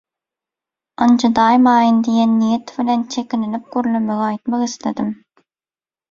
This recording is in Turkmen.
ynjydaýmaýyn diýen niýet bilen, çekinilip gürlemegi aýtmak isledim.